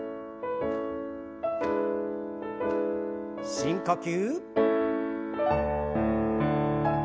深呼吸。